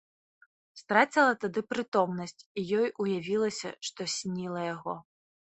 Страціла тады прытомнасць, і ёй уявілася, што сніла яго.